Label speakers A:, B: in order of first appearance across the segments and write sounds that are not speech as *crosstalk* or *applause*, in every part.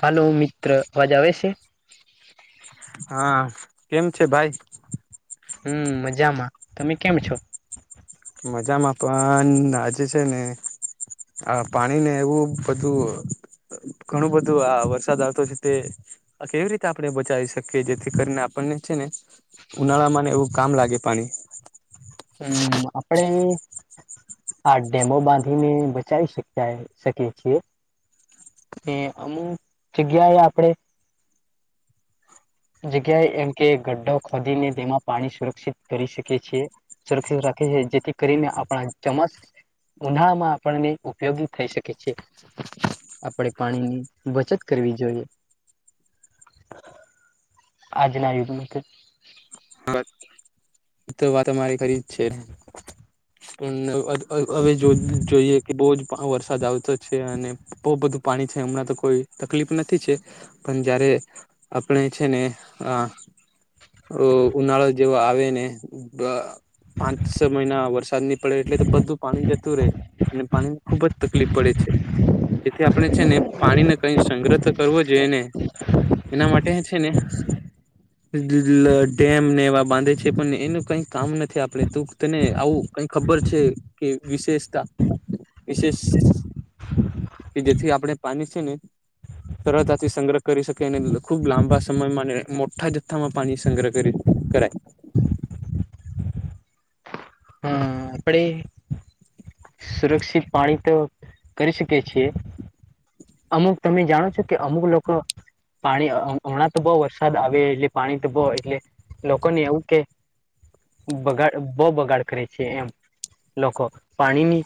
A: હાલ મિત્ર વાજાવે છે
B: હા કેમ છે ભાઈ
A: હમ મજામાં તમે કેમ છો
B: મજામાં પણ આજે છે ને હા પાણી ને એવું બધું ઘણું બધું આ વરસાદ આવતો છે તે આ કેવી રીતે આપણે બચાવી શકીએ જેથી કરીને આપણને છે ને ઉનાળા મને એવું કામ લાગે પાણી
A: હમ્મ આપડે આ ડેમો બાંધી ને બચાઈ શકાય શકે છેં એ અમુક જગ્યાએ આપડે જગ્યાએ એમ કે ગ્ઢો ખોદીને તેમાં પાણી સુરક્ષિત કરી શકે છે સુરક્ષિત રાખે છે જેથી કરીને આપણા ચમા ઉનાળ માં આપણને ઉપયોગી થઈ શકે છે આપણે પાણીની બચત કરવી જોઈએ આજ ના યુગ મા કે
B: તો વાત અમારે ખરી જ છે પણ હવે જો જોઈએ કે બોજ વરસાદ આવતો છે અને બહુ બધું પાણી છે હમણાં તો કોઈ તકલીફ નથી છે પણ જયારે આપણે છે ને અ ઉનાળા જેવાો આવે ને પાંચ છ મહિના વરસાદ ની પડે એટલે તો બધું પાણી જતું રહે અને પાણીની ખુબ જ તકલીફ પડે છે જેથી આપણે છે ને પાણીને કઈ સંગ્રહ કરવો જોઈએ ને એના માટે છે ને ડેમ ને એવા બાંધે છે પણ એનું કઈ કામ નથી આપડે તું તને આવું કઈ ખબર છે કે વિશેષતા વિશેષ કે જેથી આપણેે પાણી છે ને સરળતા થી સંગ્રહ કરી શકે અને ખુબ લાંબા સમયમાં મોટા જથ્થામાં પાણી સંગ્રહ કરી કરે
A: આપડે સુરક્ષિત પાણી તો કરી શકીએ છીએ અમુક તમે જાણો છો કે અમુક લોકો પાણી હમણાં તો બઉ વરસાદ આવે એટલે પાણી તો બઉ એટલે લોકોને એવું કે બગાડ બહ બગાડ કરે છે એમ લોકોખ પાણીની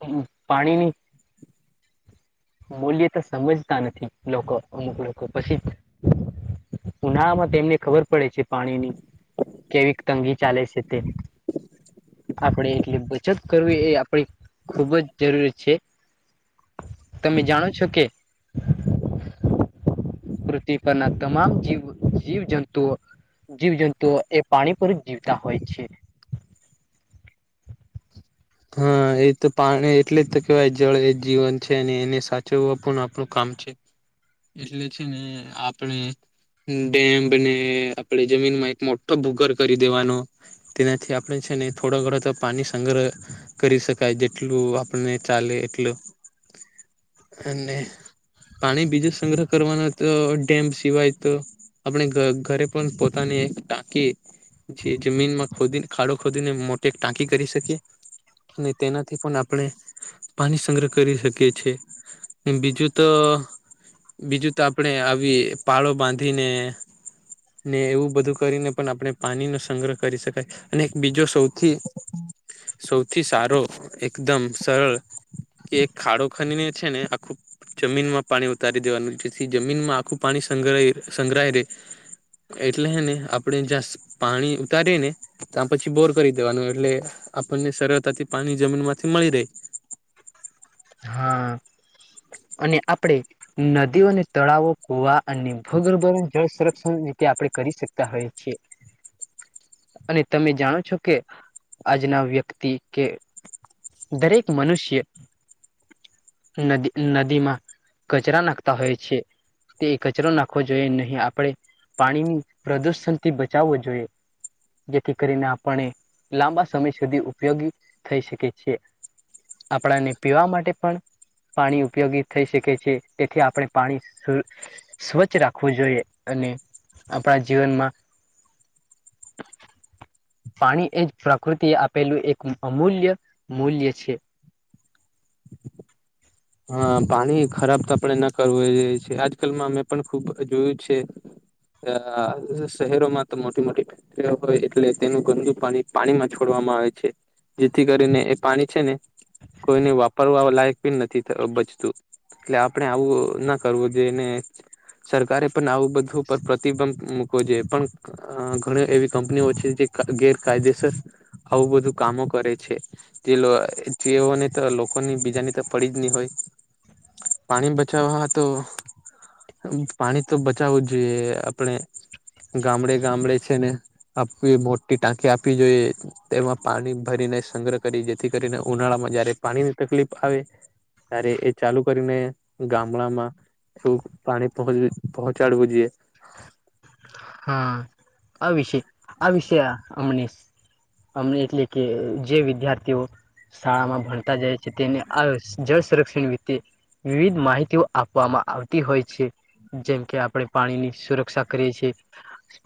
A: હ પાણી ની મૂલ્ય તો સમજતા નથી લોકો અમુક લોકો પછી ઉનાળમાં તેમને ખબર પડે છે પાણીની કેવી તંગી ચાલે છે તે આપણેે એટલી બચત કરવી એ પણ ખૂબ જ જરૂરી છે તમે જાણો છો કે પૃથ્વી પરના તમામ જીવ જીવ જંતુઓ જીવજંતુઓ એ પાણી પર જ જીવતા હોય છે
B: હા એ તો પાણી એટલે જ તો કેવાય જળ એ જીવન છે અને એને સાચવવા પણ આપણું કામ એટલે છે ને આપણે ડેમને, આપડે જમીન માં એક મોટો ભૂગર કરી દેવાનો. તેનાથી આપણે છે ને થોડો ઘણાો તો પાણી સંગ્રહ કરી શકાય જેટલું આપણને ચાલે એટલું. અને પાણી બીજું સંગ્રહ કરવાનો તો ડેમ સિવાય તો આપણે ઘ ઘરે પણ પોતાને એક ટાંકી જે જમીનમાં ખોદીને ખાડો ખોદીને મોટે ટાંકી કરી શકે અને તેનાથી પણ આપણે પાણી સંગ્રહ કરી શકીએ છેં બીજું તો બીજું તો આપણે આવી પાળો બાંધીને ને એવું બધું કરીને પણ આપણે પાણી નો સંગ્રહ કરી શકાય અને એક બીજો સૌથી સૌથી સારો એકદમ સરળ કે ખાડો ખનીને છે ને આ ખૂબ જમીનમાં પાણી ઉતારી દેવાનું જેથી જમીનમાં આખું પાણી સંગ્ર સંગ્રહાય રહેે એટલે હે ને આપણેે જ્યાં સ પાણી ઉતારીએ ને તા પછી બોર કરી દેવાનો એટલે, આપણને સરળતાથી પાણી જમીન માંથી મળી રહે.
A: હા, અને આપડે નદીઓ ને, તળાવો, કુવા, અને ભૂગર્ભો જળ સંરક્ષણ રીતે આપણે કરી શકતા હોય છીએ. અને તમે જાણો છો કે આજના વ્યક્તિ કે દરેક મનુષ્ય નદી-નદીમાં કચરા નાખતા હોય છે. તે કચરો નાખવો જોઈએ નહીં, આપણે પાણી પ્રદુષણથી બચાવવો જોઈએ. જેથી કરીને આપણે લાંબા સમય સુધી ઉપયોગી થઈ શકે છીએ. આપણા ને પીવા માટે પણ પાણી ઉપયોગી થઈ શકે છે. તેથી આપણે પાણી સુ સ્વચ્છ રાખવું જોઈએ, અને આપણા જીવનમાં પાણી એ જ પ્રાકૃતિ એ આપેલું એક અમૂલ્ય મૂલ્ય છે.
B: હા પાણી ખરાબ તો આપણે ના કરવું જોઈએ છે. આજકાલમાં મેં પણ ખુબ જોયું છે અહ શહેરો માં તો મોટી-મોટી *unintelligible* હોય એટલે તેનું ગંદુ પાણી પાણીમાં છોડવામાં આવે છે. જેથી કરીને એ પાણી છે ને કોઈને વાપરવા લાયક બી નથ થી ત બચતું, એટલે આપણે આવું ના કરવું જોઈએ, ને સરકારે પણ આવું બધું પર પ્ર પ્રતિબંબ મૂકવો જોઈએ, પણ અહ ઘણી એવી કંપનીઓ છે ક જે ગેરકાયદેસર આવું બધું કામો કરે છે. જેલો જેઓને તો લોકોની બીજાની તફ પડી જ નહીં હોય. પાણી બચાવવા હાતો પાણી તો બચાવવું જ જોઈએ આપણે, ગામડે-ગામડે છે ને આપવી મોટી ટાંકી આપવી જોઈએ. તેમાં પાણી ભરીને સંગ્રહ કરી, જેથી કરીને ઉનાળામાં જયારે પાણી ની તકલીફ આવે ત્યારે એ ચાલુ કરીને ગામડામાં એવું પાણી પહો પહોંચાડવું જોઈએ.
A: હા, આ વિષય આ વિષયા અમનીશ અમને એટલે કે જે વિદ્યાર્થીઓ શાળામાં ભણતા જાય જે તેને આ સ જળ સંરક્ષણ રીતે વિવિધ માહિતીઓ આપવામાં આવતી હોય છે. જેમ કે આપણેે પાણીની સુરક્ષા કરીએ છીએ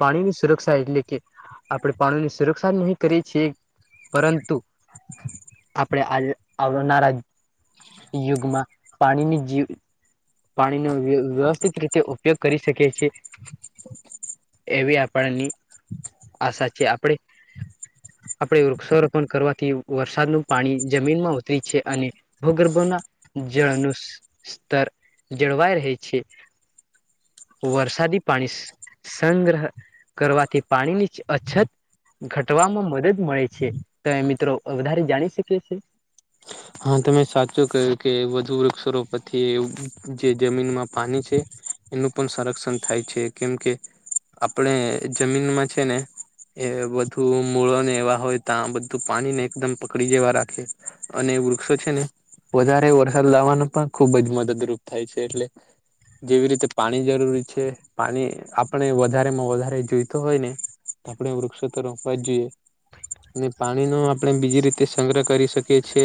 A: પાણી ની સુરક્ષા એટલે કે આપણે પાણીની સુરક્ષા નહીં કરે છે પરંતુ આપણે આ આવનારા યુગમાં પાણીની જીવ પાણીનો વ્ય વ્યવસ્થિત રીતે ઉપયોગ કરી શકે છે.
B: *inaudible*
A: એવી આપણની આશા છે. આપણેે આપણે વૃક્ષોરોપણ કરવાથી વરસાદનું પાણી જમીન માં ઉતરી છે, અને ભૂગર્ભો ના જળનુ સ્તર જળવાઈ રહે છે. વરસાદી પાણી સ સંગ્રહ કરવાથી પાણીની છ અછત ઘટવામાં મદદ મળે છે. તો એ મિત્ર વધારે જાણી શકીએ છે?
B: હા. તમે સાચો કહ્યું કે વધુ વૃક્ષો રોપવાથી જે જમીનમાં પાણી છે એનું પણ સંરક્ષણ થાય છે, કેમ કે આપણે જમીનમાં છે ને એ વધું મૂળો ને એવા હોય ત્યાં બધું પાણી ને એકદમ પકડી જેવા રાખે. અને વૃક્ષો છે ને, વધારે વરસાદ લાવવાનું પણ ખુબ જ મદદરૂપ થાય છે એટલે. જેવી રીતે પાણી જરૂરી છે પાણી આપણે વધારે માં વધારે જોઈતો હોય ને. આપણે વૃક્ષ તો રોપવા જ જોઈએ અને પાણી નો આપણે બીજી રીતે સંગ્રહ કરી શકીએએ. છે.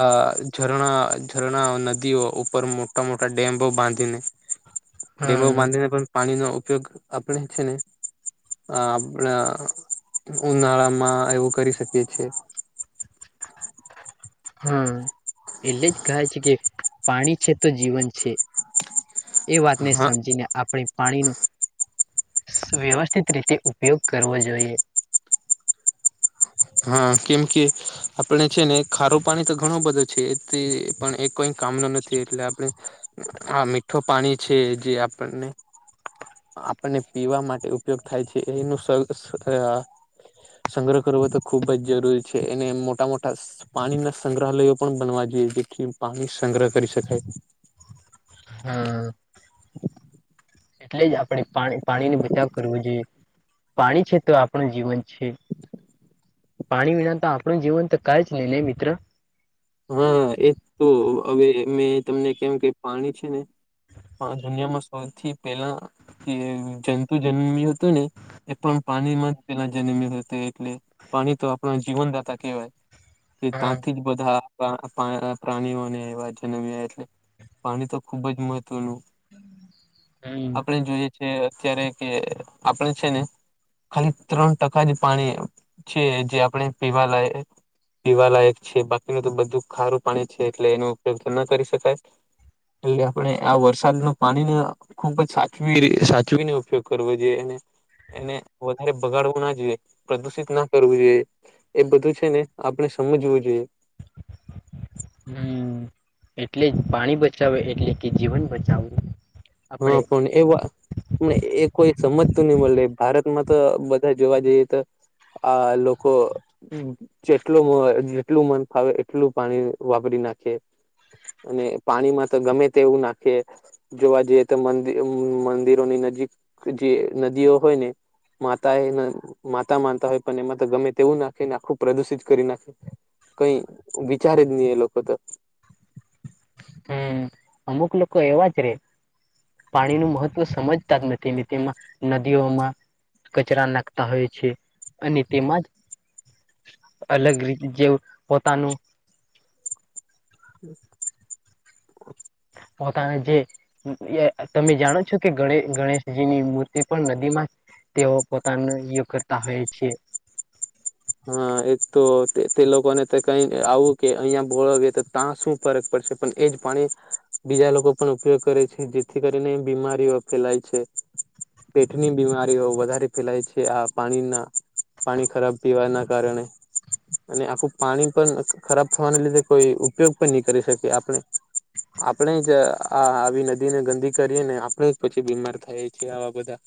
B: આ ઝરણા ઝરણા નદીઓ ઉપર મોટા મોટા ડેમો બાંધીને. ડેમો
A: હા
B: બાંધીને પણ પાણીનો ઉપયોગ આપણે છે ને. અ આપણા ઉનાળા માં એવું કરી શકીએ છેએ. *inaudible*
A: હા એટલે કાજે કે પાણી છે તો જીવન છે. એ વાતને
B: હા
A: સમજીને આપ. આપણે પાણીનો વ્યવસ્થિત રીતે ઉપયોગ કરવો જોઈએ.
B: હા કેમ કે. આપણે છે ને ખારું પાણી તો ઘણું બધું છે એ પણ એ કોઈ કામનો નથી એટલે આપણે. હા મીઠું પાણી છે જે આપણને. આપણને પીવા માટે ઉપયોગ થાય છે એનું. સંગ્રહ કરવો તો ખુબ જ જરૂરી છે એને મોટા મોટા. પાણી ના સંગ્રહાલયો પણ બનવા જઈએ જેથી પાણી સંગ્રહ કરી શકાય.
A: હા. એટલે જ આપણે પાણી પાણી ને બચાવ કરવો જોઈએ. પાણી છે તો આપણું જીવન છે. પાણી વિના તો આપણું જીવન તો કંઈ જ લેલ મિત્ર.
B: હા એ તો હવે મેં તમને કેમ કે પાણી છે ને. આ દુનિયામાં સૌથી પહેલા જે જંતુ જન્મ્યું હતું ને. એ પણ પાણીમાં જ પેલા જન્મી હતો એટલે. પાણી તો આપણા જીવનદાતા કેહેવાય કે
A: હા
B: ત્યાંથી જ બધા. પ્રા પ્રાણીઓને એવા જન્મ્યા એટલે પાણી તો ખુબ જ મહત્વનું.
A: હમ
B: આપણે જોઈએ છે અત્યારે કે આપણે છે ને. ખાલી ત્રણ ટકા જ પાણી છે જે આપણે પીવા લાયક. પીવાલાયક છે બાકીનું તો બધું ખારું પાણી છે એટલે એનો ઉપયોગ ના કરી શકાય. એટલે આપણે આ વરસાદ નું પાણીને. ખુબ જ સાચવી સાચવીનો ઉપયોગ કરવો જોઈએ એને. એને વધારે બગાડવું ના જોઈએ પ્રદુષિત ના કરવું જોઈએ. એ બધું છે ને આપણે સમજવું જોઈએ.
A: હમ એટલે જ પાણી બચાવે એટલે કે જીવન બચાવવું.
B: હા
A: આપણે
B: પણ. એ વા પણ એ કોઈ સમજતું નહી મળ ભારતમાં તો બધા જોવા જઈએ તો. આ લોકો. જેટલું જેટલું મન ફાવે એટલું પાણી વાપરી નાખીએ. અને પાણીમાં તો ગમે તે એવું નાખે જોવા જઈ. મંદિરોની નજીક જે નદીઓ હોય ને. માતા એ માતા માનતા હોય પણ એમાં તો ગમે તેવું નાખે ને આખું પ્રદુષિત કરી નાખે. કઈ વિચારે જ નહી એ લોકો તો.
A: હમ અમુક લોકો એવા જ રે. પાણીનું મહત્વ સમજતા જ નથી તેમાં નદીઓમાં. કચરા નાખતા હોય છે અને તેમાંજ. અલગ રી જે પોતાનું.
B: હમ.
A: પોતાના જે. એ તમે જાણો છો કે ગ ગણેશજીની મૂર્તિ પણ નદી માં તેઓ પોતાનું યો કરતા હોય છે.
B: હા એક તો તે લોકોને તો કઈ આવું કે અહીંયા ભોળવી તો તા શું ફરક પડશે પણ એજ પાણી બીજા લોકો પણ ઉપયોગ કરે છે. જેથી કરીને બીમારીઓ ફેલાય છે. પેટની બીમારીઓ વધારે ફેલાય છે. આ પાણીના પાણી ખરાબ પીવાના કારણે. અને આખું પાણી પણ ખરાબ થવાને લીધે કોઈ ઉપયોગ પણ ની કરી શકે આપણે. આપણે જ આ આવી નદીને ગંદી કરીએ ને આપણે જ પછી બીમાર થાયએ છીએ. આવા બધા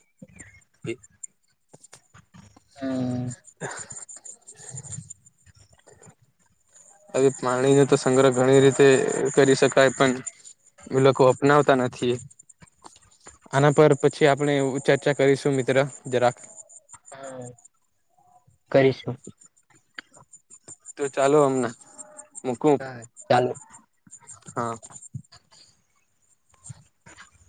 B: *inaudible* *inaudible* હવે પાણી નો તો સંગ્રહ ઘણી રીતે કરી શકાય પણ એ લોકો અપનાવતા નથી. આના પર પછી આપણે ચર્ચા કરીશું મિત્ર જરાક.
A: હા. કરીશું.
B: તો ચાલો અમના. મુંકું.
A: ચાલો
B: હા